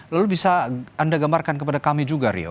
lalu bisa anda gambarkan kepada kami juga rio